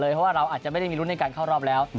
เพราะว่าเราอาจจะไม่ได้มีรุ้นในการเข้ารอบแล้ว